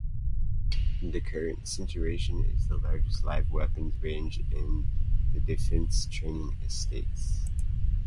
The current station is the largest live weapons range in the Defence Training Estates.